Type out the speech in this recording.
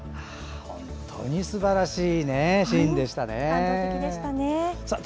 本当にすばらしいシーンでしたね。